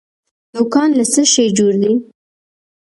نوکان له څه شي جوړ دي؟